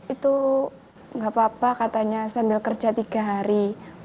itu nggak apa apa katanya sambil kerja tiga hari